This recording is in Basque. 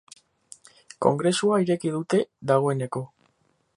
Kongresua ireki dute dagoeneko.